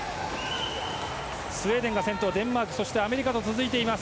スウェーデンが先頭、デンマークアメリカと続いています。